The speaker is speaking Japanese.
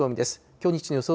きょう日中の予想